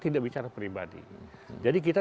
tidak bicara pribadi jadi kita